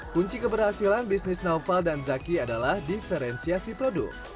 kunci keberhasilan bisnis naufal dan zaki adalah diferensiasi produk